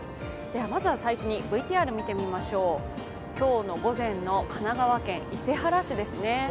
まずは最初にＶＴＲを見てみましょう今日の午前の神奈川県伊勢原市ですね。